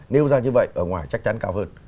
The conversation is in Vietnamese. nêu ra như vậy ở ngoài chắc chắn cao hơn